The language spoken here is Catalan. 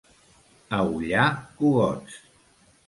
A Ullà, cugots.